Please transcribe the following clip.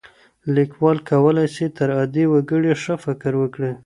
ليکوال کولای سي تر عادي وګړي ښه فکر وکړي.